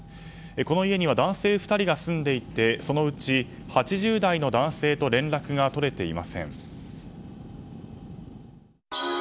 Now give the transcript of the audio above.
この家には男性２人が住んでいてそのうち８０代の男性と連絡が取れていません。